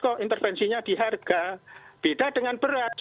kok intervensinya di harga beda dengan beras